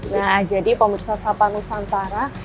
nah jadi pemirsa sapa nusantara